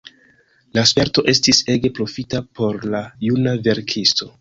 La sperto estis ege profita por la juna verkisto.